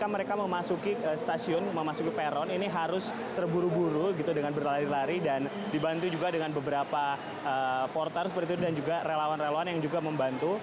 mereka memasuki stasiun memasuki peron ini harus terburu buru dengan berlari lari dan dibantu juga dengan beberapa portar dan relawan relawan yang juga membantu